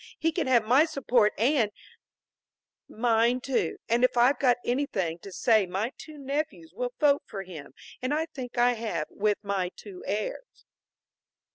He can have my support and " "Mine too. And if I've got anything to say my two nephews will vote for him; and I think I have, with my two heirs."